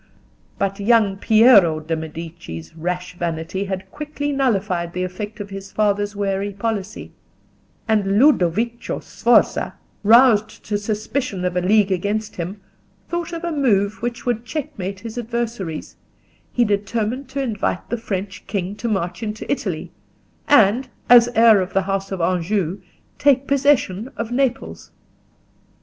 But young Piero de' Medici's rash vanity had quickly nullified the effect of his father's wary policy, and Ludovico Sforza, roused to suspicion of a league against him, thought of a move which would checkmate his adversaries: he determined to invite the French king to march into Italy, and, as heir of the house of Anjou, take possession of Naples.